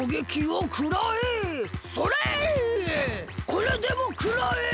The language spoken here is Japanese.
これでもくらえ！